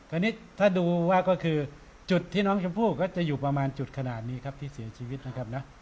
ตอนนี้ถ้าดูว่าก็คือจุดที่น้องชมพู่ก็จะอยู่ประมาณจุดขนาดนี้ครับที่เสียชีวิตนะครับนะ